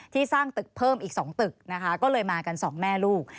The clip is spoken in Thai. สร้างตึกเพิ่มอีก๒ตึกนะคะก็เลยมากันสองแม่ลูก